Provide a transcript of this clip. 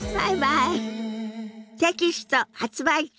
テキスト発売中！